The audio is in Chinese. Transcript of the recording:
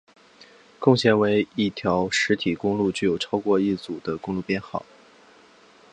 共线为一条实体公路具有超过一组的公路编号。